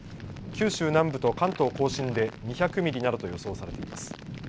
九州南部と関東甲信で２００ミリなどと予想されています。